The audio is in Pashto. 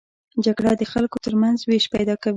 جګړه د خلکو تر منځ وېش پیدا کوي